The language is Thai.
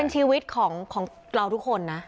ชีวิตของเราทุกคนนะ